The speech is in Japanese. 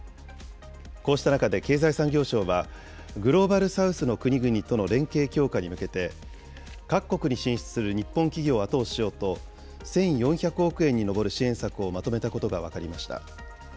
こうした中で経済産業省は、グローバル・サウスの国々との連携強化に向けて、各国に進出する日本企業を後押ししようと、１４００億円に上る支援策をまとめたことが分かりました。